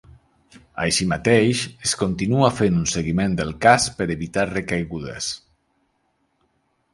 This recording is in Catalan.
Així mateix, es continua fent un seguiment del cas per evitar recaigudes.